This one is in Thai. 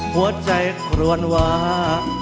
หัวใจกลวนหวาก